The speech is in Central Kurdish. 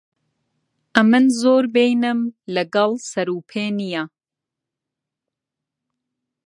ئەمن زۆر بەینم لەگەڵ سەر و پێ نییە.